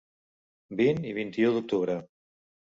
Vint i vint-i-u d’octubre.